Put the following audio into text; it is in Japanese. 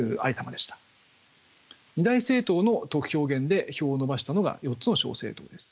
二大政党の得票減で票を伸ばしたのが４つの小政党です。